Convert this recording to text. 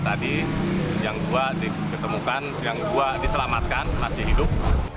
yang tiga tadi yang dua ditemukan yang dua diselamatkan masih hidup